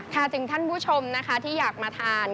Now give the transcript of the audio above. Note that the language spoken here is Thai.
ถ้าถึงท่านผู้ชมที่อยากมาทาน